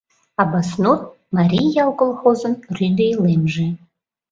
Абаснур — «Марий ял» колхозын рӱдӧ илемже.